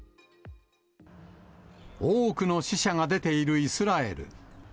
多くの死者が出ているイスラエル。